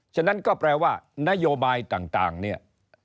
ฉะนั้นก็แปลว่านโยบายต่างเนี่ย